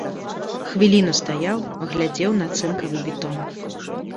Хвіліну стаяў, глядзеў на цынкавы бітон.